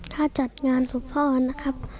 ค่าจัดงานส่วนพ่อนะครับ